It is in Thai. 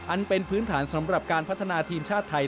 อันเป็นพื้นฐานสำหรับการพัฒนาทีมชาติไทย